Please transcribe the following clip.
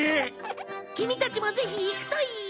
キミたちもぜひ行くといいよ。